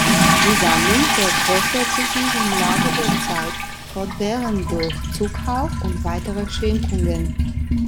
Die Sammlung vergrößerte sich im Laufe der Zeit fortwährend durch Zukauf und weitere Schenkungen.